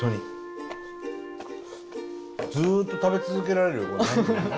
ずっと食べ続けられるよこれ。